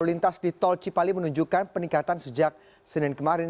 lalu lintas di tol cipali menunjukkan peningkatan sejak senin kemarin